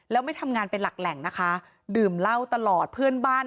แล้วไม่ทำงานเป็นหลักแหล่งนะคะดื่มเหล้าตลอดเพื่อนบ้าน